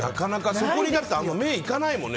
そこに目がいかないもんね。